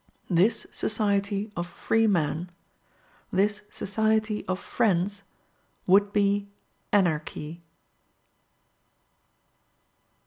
This society of free men, this society of friends would be Anarchy.